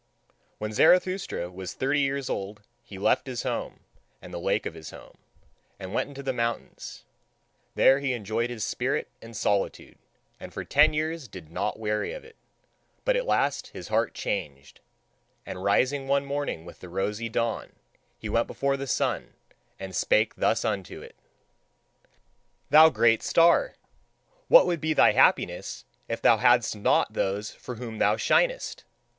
When Zarathustra was thirty years old, he left his home and the lake of his home, and went into the mountains. There he enjoyed his spirit and solitude, and for ten years did not weary of it. But at last his heart changed, and rising one morning with the rosy dawn, he went before the sun, and spake thus unto it: Thou great star! What would be thy happiness if thou hadst not those for whom thou shinest!